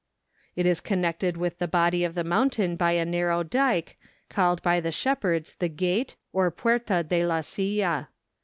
It is connected with the body of the mountain by a narrow dyke, called by the shepherds the Grate, or Puerta de la Silla.